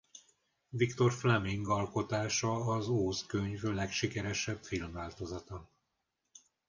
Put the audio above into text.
Victor Fleming alkotása az Óz-könyv legsikeresebb filmváltozata.